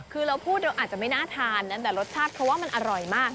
คือเราพูดเราอาจจะไม่น่าทานนะแต่รสชาติเขาว่ามันอร่อยมาก